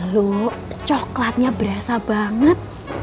lo coklatnya berasa banget